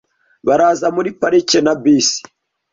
Baraza muri parike na bisi .